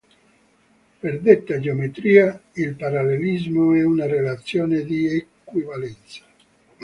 Per detta geometria il parallelismo è una relazione di equivalenza.